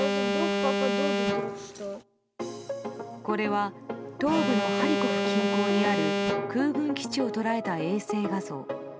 これは東部のハリコフ近郊にある空軍基地を捉えた衛星画像。